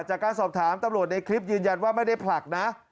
จากการสอบถามตำรวจในคลิปยืนยันว่าไม่ได้ผลักนะ